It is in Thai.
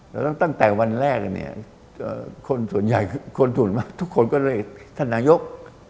แล้วตั้งแต่วันแรกเนี่ยคนส่วนใหญ่คนส่วนมากทุกคนก็เลยท่านนายก